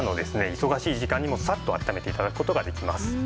忙しい時間にもサッと暖めて頂く事ができます。